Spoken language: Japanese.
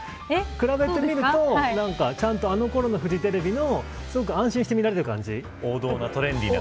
比べてみるとちゃんとあのコロナフジテレビのすごく安心して見られる感じ。